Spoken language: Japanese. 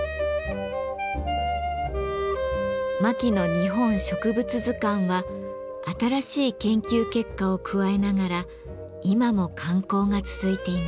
「牧野日本植物図鑑」は新しい研究結果を加えながら今も刊行が続いています。